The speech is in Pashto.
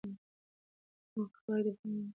ناوخته خوراک د بدن د وازدې سوځېدو ته لږ فرصت ورکوي.